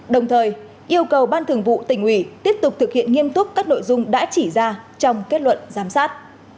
đồng thời yêu cầu ban thường vụ tỉnh ủy tiếp tục thực hiện nghiêm túc các nội dung đã chỉ ra trong kết luận giám sát